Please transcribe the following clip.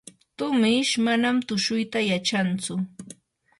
tumish manam tushuyta yachantsu.